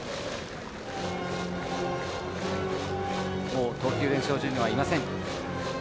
もう投球練習場にはいません。